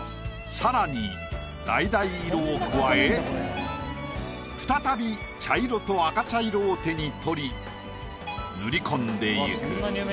さらにだいだい色を加え再び茶色と赤茶色を手に取り塗り込んでいく。